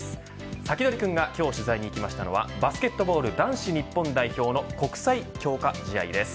サキドリくんが今日取材に行きましたのはバスケットボール日本代表の国際強化試合です。